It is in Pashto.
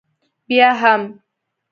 بیا هم؟